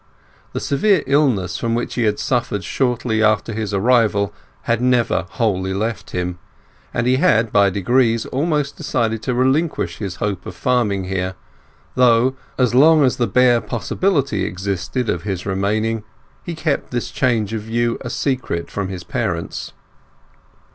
The severe illness from which he had suffered shortly after his arrival had never wholly left him, and he had by degrees almost decided to relinquish his hope of farming here, though, as long as the bare possibility existed of his remaining, he kept this change of view a secret from his parents.